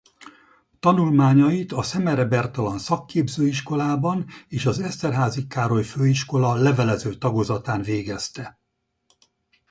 Tanulmányait a Szemere Bertalan Szakképző Iskolában és az Eszterházy Károly Főiskola levelező tagozatán végezte.